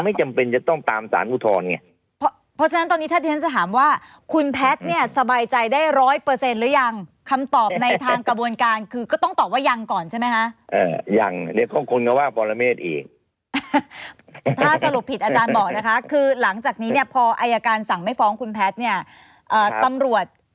ไม่แย้งเสร็จก็ต้องส่งมาสำนักงานอายการทางส่วน